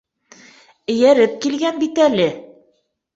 Эйәреп килгән бит әле.